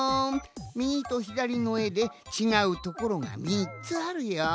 みぎとひだりのえでちがうところが３つあるよ。